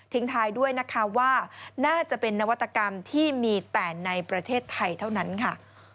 ท้ายด้วยนะคะว่าน่าจะเป็นนวัตกรรมที่มีแต่ในประเทศไทยเท่านั้นค่ะ